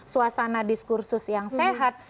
suasana diskursus yang sehat